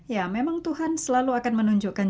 ya memang tuhan selalu akan menunjukkan